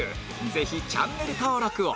ぜひチャンネル登録を